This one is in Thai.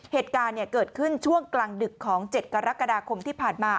เหตุการณ์เกิดขึ้นช่วงกลางดึกของ๗กรกฎาคมที่ผ่านมา